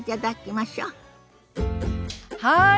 はい。